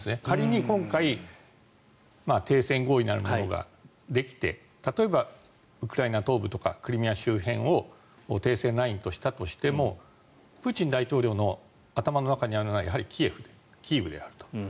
仮に今回停戦合意なるものができて例えばウクライナ東部とかクリミア周辺を停戦ラインとしたとしてもプーチン大統領の頭の中にあるのはやはりキーウであると。